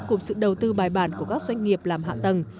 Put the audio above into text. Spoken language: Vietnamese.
cùng sự đầu tư bài bản của các doanh nghiệp làm hạ tầng